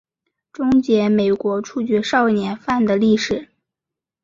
终结美国处决少年犯的历史。